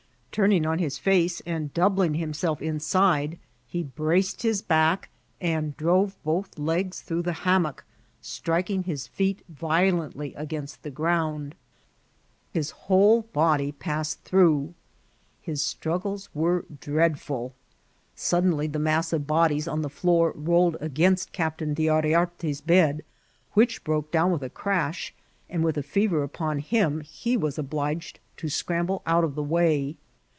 Turning on his face and doubling himself insidci he braced his back, and drove both legs through the hammock) striking his feet violently against the ground ; 04 IKCIDSNT8 OP TBATSL. his whole body puBed tfaroogh. His straggles were dreadfiiL Suddenly the maai of bodies on the floor rolled against Cflqptain D'Yriarte's bed, which broke down with a craahi and with a fever upon him, he was obliged to scramble out of the way.